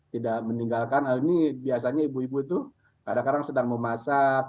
tidak meninggalkan ini biasanya ibu ibu itu kadang kadang sedang memasak